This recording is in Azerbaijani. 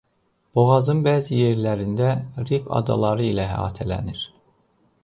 Boğazın bəzi yerlərində rif adaları ilə əhatələnir.